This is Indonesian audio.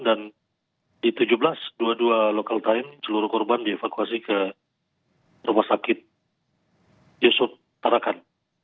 dan di tujuh belas dua puluh dua local time seluruh korban dievakuasi ke rumah sakit yusuf tarakan